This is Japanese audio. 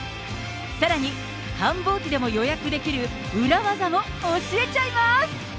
さらに、繁忙期でも予約できる裏技も教えちゃいます。